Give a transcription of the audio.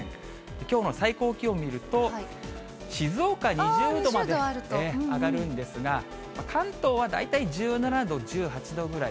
きょうの最高気温を見ると、静岡２０度まで上がるんですが、関東は大体１７度、１８度ぐらい。